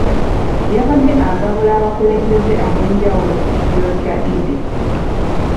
Yabadde agabula abakulembeze ab'enjawulo ku kijjulo kya Eid